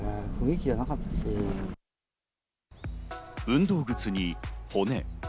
運動靴に骨。